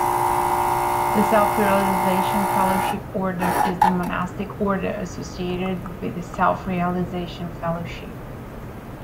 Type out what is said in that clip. The Self-Realization Fellowship Order is the monastic order associated with Self-Realization Fellowship.